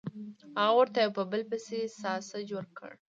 هغه ورته یو په بل پسې ساسج ورکړل